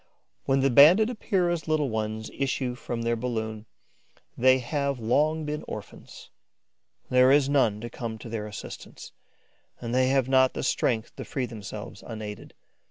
When the Banded Epeira's little ones issue from their balloon, they have long been orphans. There is none to come to their assistance; and they have not the strength to free themselves unaided.